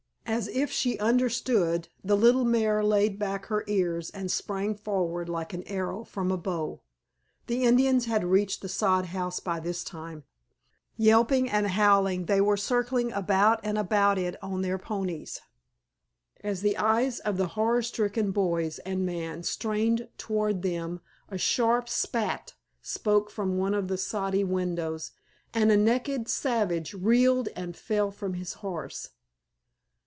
As if she understood the little mare laid back her ears and sprang forward like an arrow from a bow. The Indians had reached the sod house by this time. Yelping and howling they were circling about and about it on their ponies. As the eyes of the horror stricken boys and man strained toward them a sharp "spat" spoke from one of the soddy windows, and a naked savage reeled and fell from his horse.